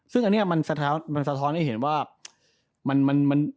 ซึ่งอันนี้มันสะท้อนให้เห็นว่ามัน